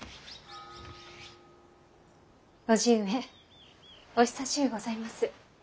叔父上お久しゅうございます。